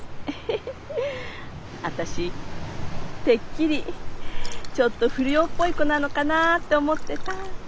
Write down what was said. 私てっきりちょっと不良っぽい子なのかなって思ってた。